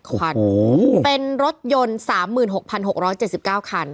คันโอ้โหเป็นรถยนต์สามหมื่นหกพันหกร้อยเจ็ดสิบเก้าคัน